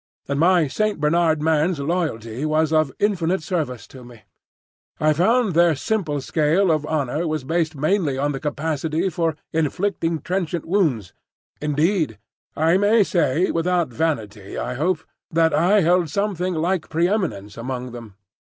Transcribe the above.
And my Saint Bernard man's loyalty was of infinite service to me. I found their simple scale of honour was based mainly on the capacity for inflicting trenchant wounds. Indeed, I may say—without vanity, I hope—that I held something like pre eminence among them.